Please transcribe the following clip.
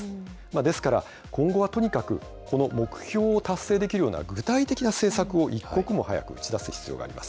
ですから、今後はとにかく、この目標を達成できるような具体的な政策を一刻も早く打ち出す必要があります。